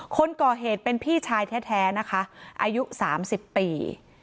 คนก่อเหตุเป็นพี่ชายแท้แท้นะคะอายุสามสิบปี